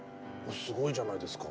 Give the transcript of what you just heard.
すごいじゃないですか。